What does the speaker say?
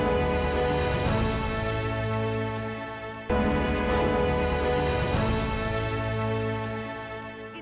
jangan lupa untuk berlangganan